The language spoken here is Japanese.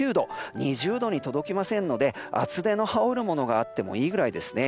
２０度に届きませんので厚手の羽織るものがあってもいいぐらいですね。